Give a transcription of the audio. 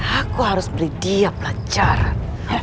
aku harus beri dia pelancaran